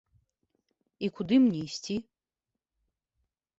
І куды мне ісці?